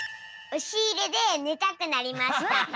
おしいれでねたくなりました。